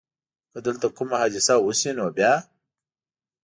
که دلته کومه حادثه وشي نو بیا؟